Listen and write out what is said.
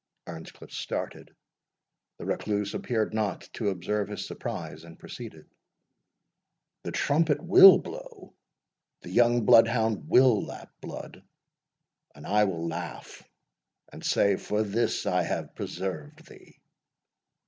Earnscliff started; the Recluse appeared not to observe his surprise, and proceeded "The trumpet WILL blow, the young blood hound WILL lap blood, and I will laugh and say, For this I have preserved thee!"